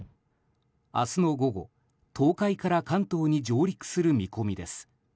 明日の午後、東海から関東に上陸する見込みです。